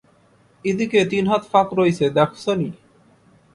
ইদিকে তিন হাত ফাঁক রইছে দেখছ নি?